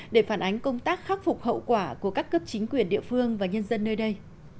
để phản ánh công tác khắc phục hậu quả của các cấp chính quyền địa phương và nhân dân nơi đây